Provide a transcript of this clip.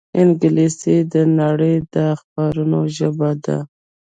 انګلیسي د نړۍ د اخبارونو ژبه ده